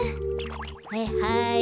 はいはい。